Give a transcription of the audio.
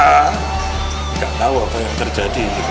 kita gak tau apa yang terjadi gitu